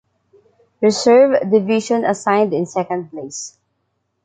Reserve Division assigned in second place.